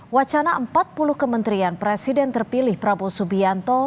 wacana empat puluh kementerian presiden terpilih prabowo subianto